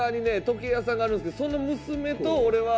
時計屋さんがあるんですけどその娘と俺は。